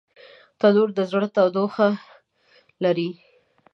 تنور د زړه تودوخه لري